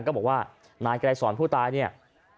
ก็บอกว่านายไกรสอนผู้ตายเนี่ย